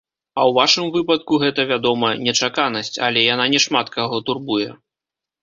А ў вашым выпадку гэта, вядома, нечаканасць, але яна не шмат каго турбуе.